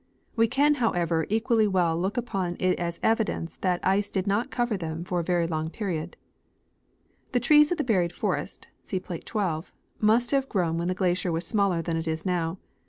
We can, however, equally well look upon it as evidence that the ice did not cover them' for a very long period. The trees of the buried forest (see plate 12) must have grown when the glacier was smaller than it is now.